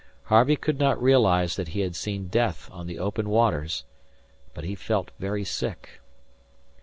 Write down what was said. Harvey could not realize that he had seen death on the open waters, but he felt very sick.